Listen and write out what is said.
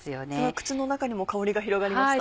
口の中にも香りが広がりました。